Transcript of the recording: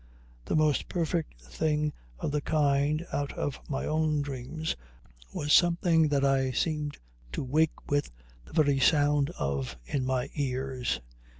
The most perfect thing of the kind out of my own dreams was something that I seemed to wake with the very sound of in my ears.